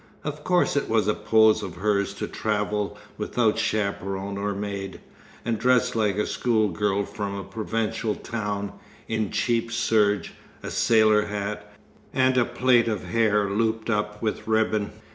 Of course it was a pose of hers to travel without chaperon or maid, and dress like a school girl from a provincial town, in cheap serge, a sailor hat, and a plait of hair looped up with ribbon.